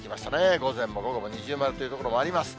午前も午後も二重丸という所もあります。